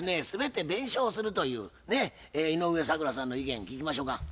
全て弁償するというね井上咲楽さんの意見聞きましょか。